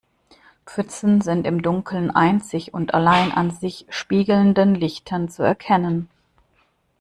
Pfützen sind im Dunkeln einzig und allein an sich spiegelnden Lichtern zu erkennen.